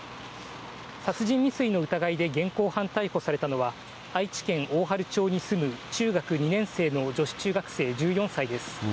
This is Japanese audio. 殺人未遂の疑いで現行犯逮捕されたのは、愛知県大治町に住む中学２年生の女子中学生１４歳です。